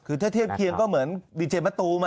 คือถ้าเทียบเคียงก็เหมือนดีเจมะตูม